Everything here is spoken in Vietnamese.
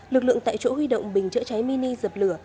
lực lượng tại chỗ huy động bình chữa cháy mini dập lửa